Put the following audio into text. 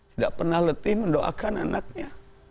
tidak pernah letih mendoakan anaknya